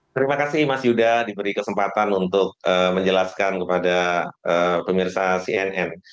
terima kasih mas yudha diberi kesempatan untuk menjelaskan kepada pemirsa cnn